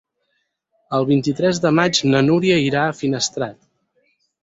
El vint-i-tres de maig na Núria irà a Finestrat.